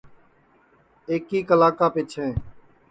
ایک کلا کا پیچھیں